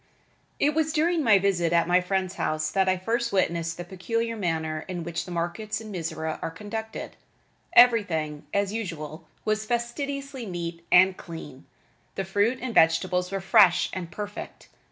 It was during my visit at my friend's house that I first witnessed the peculiar manner in which the markets in Mizora are conducted. Everything, as usual, was fastidiously neat and clean. The fruit and vegetables were fresh and perfect.